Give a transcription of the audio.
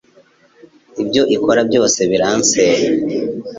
ibyo ikora byose biransenya